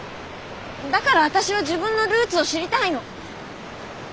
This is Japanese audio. だから私は自分のルーツを知りたいの。